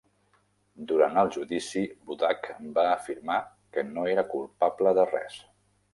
Durant el judici, Budak va afirmar que no era culpable de res.